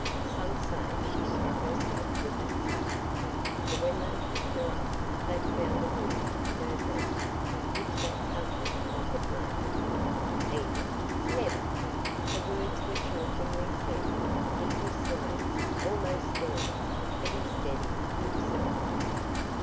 Some say she struck herself with that cutter; for when they picked her up they found a wound in her breast which that cutter might have made." "Edith? never!" The words were chokingly said; he was swaying, almost falling, but he steadied himself.